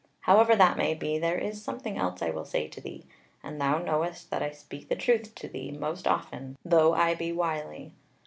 However that may be, there is something else I will say to thee; (and thou knowest that I speak the truth to thee most often though I be wily).